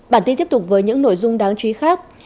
bản tin tiếp tục với những nội dung đáng chú ý khác